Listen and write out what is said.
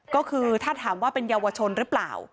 ก็คือถ้าถามว่าเป็นเยาวชนหรือเปล่า